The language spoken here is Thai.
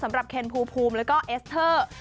สำหรับเคนพูพูมแล้วก็เอสเทอร์